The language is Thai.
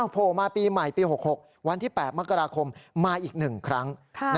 โผล่มาปีใหม่ปี๖๖วันที่๘มกราคมมาอีก๑ครั้ง